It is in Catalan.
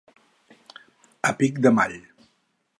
A pic de mall.